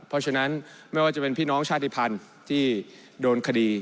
เพราะฉะนั้นไม่ว่าจะเป็นพี่น้องชาติภัณฑ์ที่โดนคดี